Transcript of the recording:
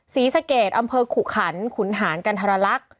ศรีสเกตอำเภอขุคั้นขุนหาแล์แกนทำรัก